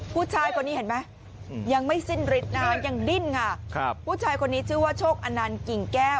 ผู้ชายคนนี้เห็นไหมยังไม่สิ้นฤทธิ์นานยังดิ้นไงผู้ชายคนนี้ชื่อชกอนานกิ่งแก้ว